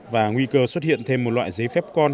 và nguy cơ xuất hiện thêm một loại giấy phép con